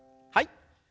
はい。